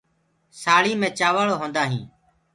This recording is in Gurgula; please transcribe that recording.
سآݪينٚ مي چآوݪ ہوندآ هينٚ۔